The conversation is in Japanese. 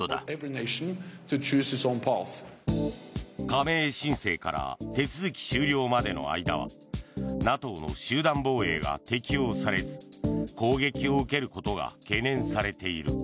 加盟申請から手続き終了までの間はＮＡＴＯの集団防衛が適用されず攻撃を受けることが懸念されている。